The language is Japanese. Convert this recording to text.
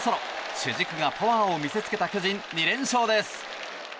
主軸がパワーを見せつけた巨人２連勝です。